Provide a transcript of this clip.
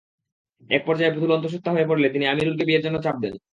একপর্যায়ে পুতুল অন্তঃসত্ত্বা হয়ে পড়লে তিনি আমিরুলকে বিয়ের জন্য চাপ দেন।